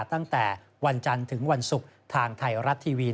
ตั้งแต่วันจันทร์ถึงวันศุกร์ทางไทยรัฐทีวี